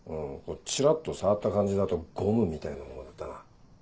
チラっと触った感じだとゴムみたいな物だったな。